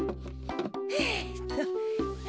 えっと。